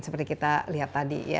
seperti kita lihat tadi